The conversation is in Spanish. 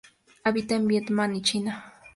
Habita en Vietnam y China.